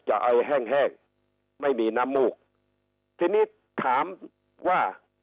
ไอแห้งแห้งไม่มีน้ำมูกทีนี้ถามว่า